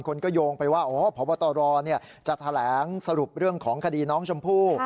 คนก็โยงไปว่าพบตรจะแถลงสรุปเรื่องของคดีน้องชมพู่